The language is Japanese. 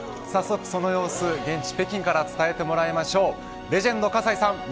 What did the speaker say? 早速その様子、現地北京から伝えてもらいましょうレジェンド葛西さん